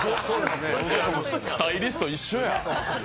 スタイリスト一緒や。